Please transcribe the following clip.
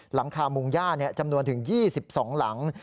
หลังคามุงย่าจำนวนถึง๒๒หลัง